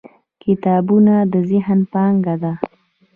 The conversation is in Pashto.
• کتابونه د ذهن پانګه ده.